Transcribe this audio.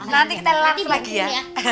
nanti kita latih lagi ya